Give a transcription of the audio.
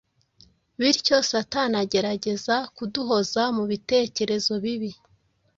Bityo Satani agerageza kuduhoza mu bitekerezo bibi